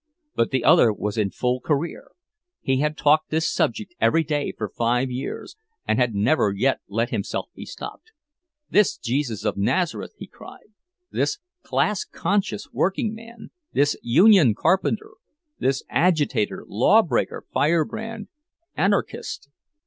But the other was in full career—he had talked this subject every day for five years, and had never yet let himself be stopped. "This Jesus of Nazareth!" he cried. "This class conscious working man! This union carpenter! This agitator, law breaker, firebrand, anarchist!